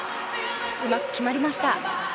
うまく決まりました。